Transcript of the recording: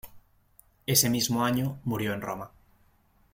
Ese mismo año murió en Roma.